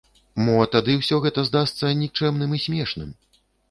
Мо тады ўсё гэта здасца нікчэмным і смешным?